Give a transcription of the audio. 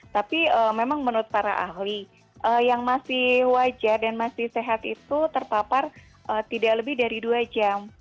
tapi memang menurut para ahli yang masih wajar dan masih sehat itu terpapar tidak lebih dari dua jam